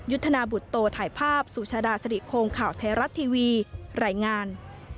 ยุทธนาบุตโตถ่ายภาพสุชาดาสริโครงข่าวไทยรัฐทีวีรายงาน